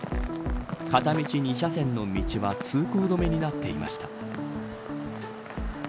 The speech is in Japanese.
片道２車線の道は通行止めになっていました。